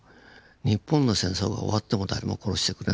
日本の戦争が終わっても誰も殺してくれない。